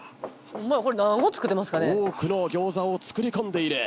多くの餃子を作り込んでいる。